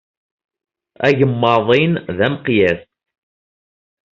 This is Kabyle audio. Agemmaḍ-in d ameqyas.